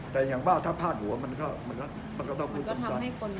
แต่อย่างว่าถ้าพาดหัวมันก็ต้องพูดสงสัย